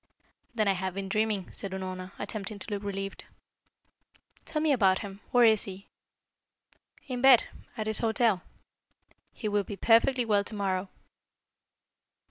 "Then I have been dreaming," said Unorna, attempting to look relieved. "Tell me about him. Where is he?" "In bed at his hotel. He will be perfectly well to morrow."